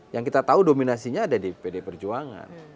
yang kita tahu dominasinya ada di pd perjuangan